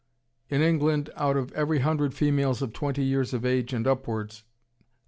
In England, out of every hundred females of twenty years of age and upwards, 25.